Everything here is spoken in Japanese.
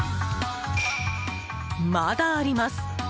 まだあります。